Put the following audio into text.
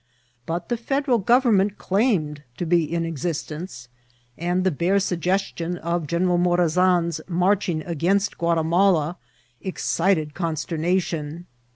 But the Federal Gov ernment claimed to be in existence ; and the bare sug gestion of General Morazan's marching against Guati mala excited consternation.